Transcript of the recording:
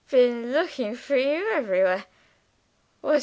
"Been lookin' for you everywhere.